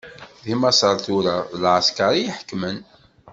Deg Maṣer tura d lɛesker i iḥekmen.